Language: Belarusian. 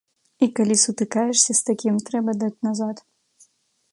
І калі сутыкаешся з такім, трэба даць назад.